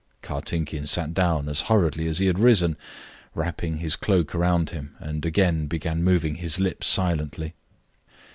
Kartinkin sat down as hurriedly as he had risen, wrapping his cloak round him, and again began moving his lips silently.